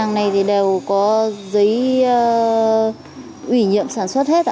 những cái hai này thì đều có giấy ủy nhiệm sản xuất hết ạ